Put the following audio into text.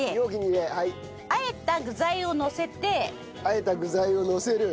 和えた具材をのせて。